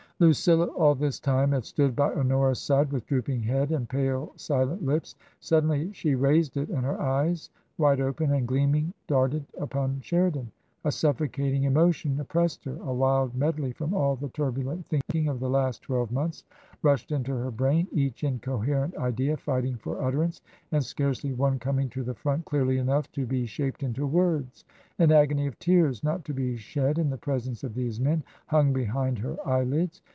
" Lucilla all this time had stood by Honora's side, with drooping head and pale, silent lips. Suddenly she raised it, and her eyes, wide open and gleaming, darted upon Sheridan. A suffocating emotion op pressed her, a wild medley from all the turbulent thinking of the last twelve months rushed into her brain — each incoherent idea fighting for utterance and scarcely one coming to the front clearly enough to be shaped into words. An agony of tears — not to be shed in the presence of these men — hung behind her eyelids.